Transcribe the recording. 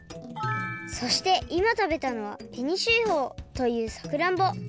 そしていまたべたのは紅秀峰というさくらんぼ。